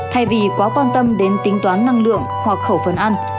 thay vì quá quan tâm đến tính toán năng lượng hoặc khẩu phần ăn